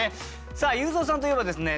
さあ裕三さんといえばですね